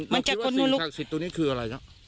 มาจะคมีรูป